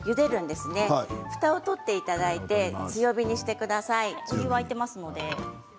ふたを取っていただいて強火にしてください。